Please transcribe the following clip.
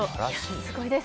すごいです。